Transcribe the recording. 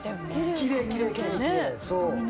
きれいきれいそう。